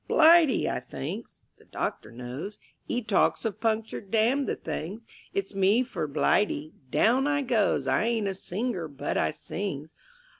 "Blighty," I thinks. The doctor knows; 'E talks of punctured damn the things. It's me for Blighty. Down I goes; I ain't a singer, but I sings.